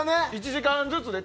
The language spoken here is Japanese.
１時間ずつで。